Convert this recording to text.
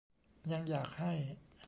ยังอยากให้